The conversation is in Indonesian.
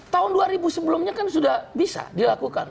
tahun dua ribu sebelumnya kan sudah bisa dilakukan